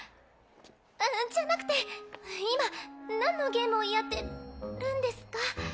あっじゃなくて今なんのゲームをやってるんですか？